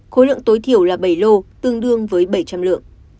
khối lượng tối thiểu là bảy lô tương đương với bảy trăm linh lượng